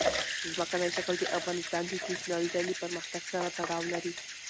ځمکنی شکل د افغانستان د تکنالوژۍ له پرمختګ سره تړاو لري.